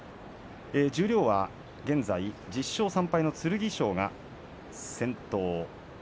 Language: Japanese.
十両は現在１０勝３敗の剣翔が先頭です。